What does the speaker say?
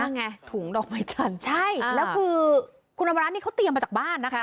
ไงถุงดอกไม้จันทร์ใช่แล้วคือคุณอำมารัฐนี่เขาเตรียมมาจากบ้านนะคะ